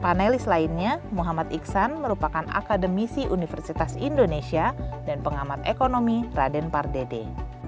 panelis lainnya muhammad iksan merupakan akademisi universitas indonesia dan pengamat ekonomi raden pardede